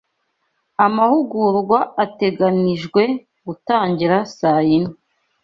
Amahugurwa ateganijwe gutangira saa yine